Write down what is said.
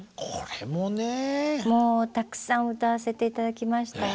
もうたくさん歌わせて頂きました。